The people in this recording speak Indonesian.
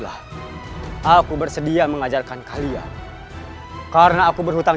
atau menerima bayangan pada komentar